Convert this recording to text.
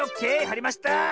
はりました！